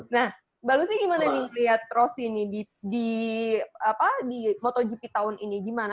nah bagusnya gimana nih ngeliat rozi nih di motogp tahun ini gimana